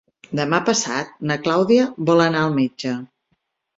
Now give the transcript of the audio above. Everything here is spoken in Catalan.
Demà passat na Clàudia vol anar al metge.